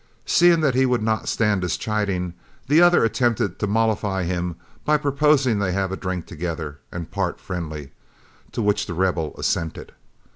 Seeing that he would not stand his chiding, the other attempted to mollify him by proposing they have a drink together and part friendly, to which The Rebel assented.